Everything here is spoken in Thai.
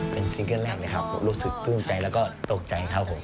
เป็นซิงเกิ้ลแรกเลยครับผมรู้สึกปลื้มใจแล้วก็ตกใจครับผม